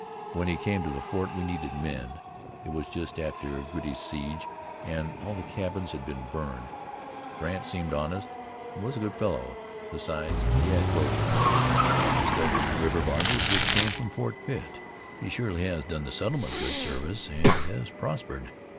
When he came to the fort we needed men. It was just after Girty's siege, and all the cabins had been burned. Brandt seemed honest, and was a good fellow. Besides, he had gold. He started the river barges, which came from Fort Pitt. He has surely done the settlement good service, and has prospered.